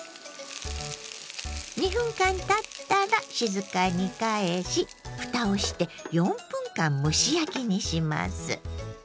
２分間たったら静かに返しふたをして４分間蒸し焼きにします。